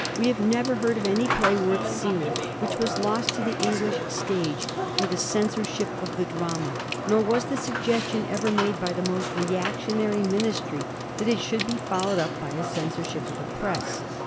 We have never heard of any play worth seeing which was lost to the English stage through the censorship of the drama, nor was the suggestion ever made by the most reaction ary Ministry that it should be followed up by a censorship of the press.